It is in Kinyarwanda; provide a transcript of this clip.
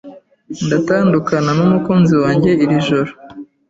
Ndatandukana numukunzi wanjye iri joro.